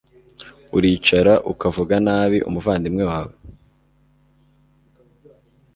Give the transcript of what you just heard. uricara, ukavuga nabi umuvandimwe wawe